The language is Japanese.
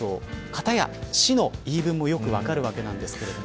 片や、市の言い分もよく分かるわけなんですけど。